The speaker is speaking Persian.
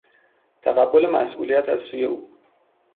تقبل مسئولیت از سوی او